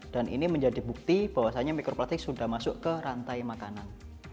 dan ini menjadi bukti bahwasanya mikroplastik sudah masuk ke rantai makanan